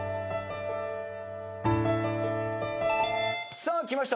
さあきました。